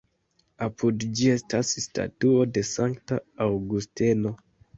Apud ĝi estas statuo de Sankta Aŭgusteno.